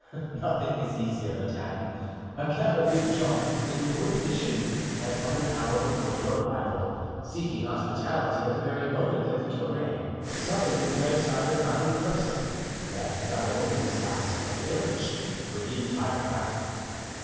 "Nothing is easier, madame. A cavalier, charged with an important mission, had come an hour before your arrival, seeking hospitality, at the very moment that the curé, summoned to the bedside of a dying person, left not only his house but the village, for the entire night.